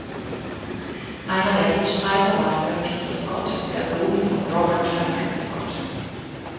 Einer der Mitstreiter war Sir Peter Scott, der Sohn von Robert Falcon Scott.